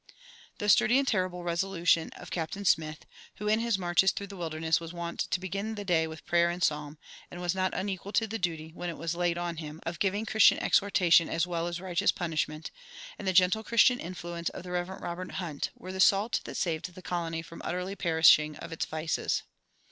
The sturdy and terrible resolution of Captain Smith, who in his marches through the wilderness was wont to begin the day with prayer and psalm, and was not unequal to the duty, when it was laid on him, of giving Christian exhortation as well as righteous punishment, and the gentle Christian influence of the Rev. Robert Hunt, were the salt that saved the colony from utterly perishing of its vices.